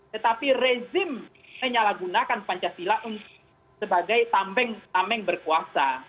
tetapi rezim menyala gunakan pancasila sebagai tambeng tambeng berkuasa